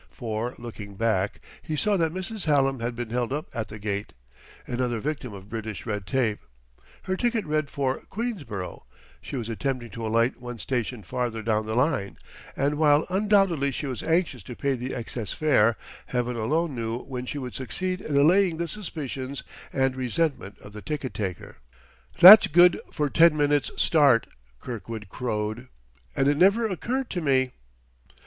For, looking back, he saw that Mrs. Hallam had been held up at the gate, another victim of British red tape; her ticket read for Queensborough, she was attempting to alight one station farther down the line, and while undoubtedly she was anxious to pay the excess fare, Heaven alone knew when she would succeed in allaying the suspicions and resentment of the ticket taker. "That's good for ten minutes' start!" Kirkwood crowed. "And it never occurred to me